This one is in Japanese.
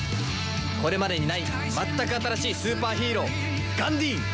これまでにない全く新しいスーパーヒーローガンディーン！